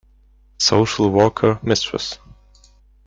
Social worker Mrs.